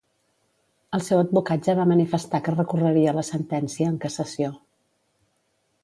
El seu advocat ja va manifestar que recorreria la sentència en cassació.